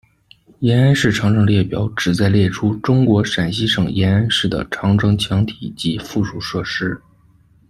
延安市长城列表旨在列出中国陕西省延安市的长城墙体及附属设施。